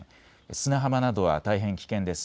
砂浜などは大変危険です。